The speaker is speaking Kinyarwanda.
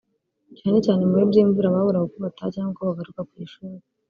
cyane cyane mu bihe by’imvura baburaga uko bataha cyangwa uko bagaruka ku ishuri